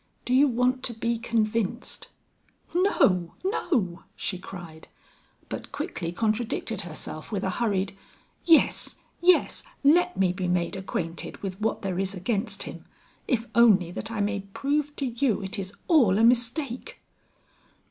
Do you want to be convinced?" "No, no;" she cried; but quickly contradicted herself with a hurried, "Yes, yes, let me be made acquainted with what there is against him, if only that I may prove to you it is all a mistake."